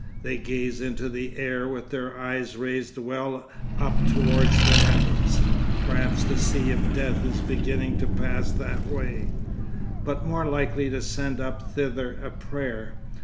They gaze into the air with their eyes raised well up towards the heavens, perhaps to see if death is beginning to pass that way, but more likely to send up thither a prayer.